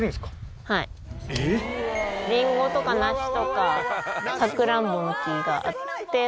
りんごとか梨とかさくらんぼの木があって。